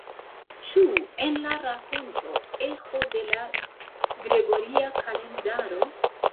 Ĉu en la rakonto eĥo de la gregoria kalendaro?